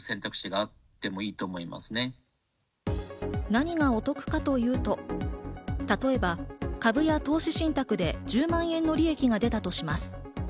何がお得かというと、例えば、株や投資信託で１０万円の利益が出たとします。